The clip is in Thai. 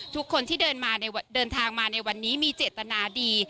ทุกคนที่เดินทางมาในวันนี้มีเจตนาดี